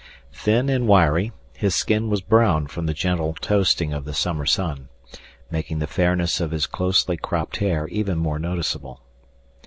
Thin and wiry, his skin was brown from the gentle toasting of the summer sun, making the fairness of his closely cropped hair even more noticeable.